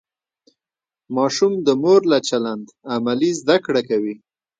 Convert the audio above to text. ماشوم د مور له چلند عملي زده کړه کوي.